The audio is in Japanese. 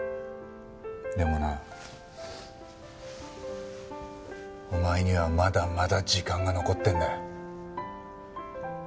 でもなお前にはまだまだ時間が残ってんだよ。